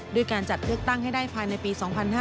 ด้วยการจัดเลือกตั้งให้ได้ภายในปี๒๕๕๙